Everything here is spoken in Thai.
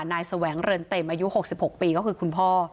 แสวงเรือนเต็มอายุ๖๖ปีก็คือคุณพ่อ